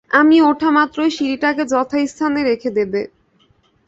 আমি ওঠা মাত্রই, সিঁড়িটাকে যথাস্থানে রেখে দেবে।